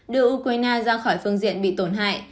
đưa ukraine ra khỏi phương diện bị tổn hại